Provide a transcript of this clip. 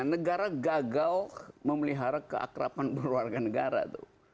negara gagal memelihara keakrapan berwarga negara tuh